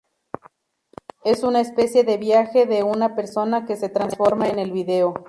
Es una especie de viaje de una persona que se transforma en el vídeo.